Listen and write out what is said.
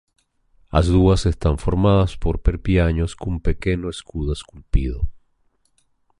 As dúas están formadas por perpiaños cun pequeno escudo esculpido.